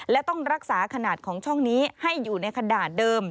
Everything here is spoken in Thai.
และต้องรักษาขนาดของช่องนี้ให้อยู่ในกระดาษเดิม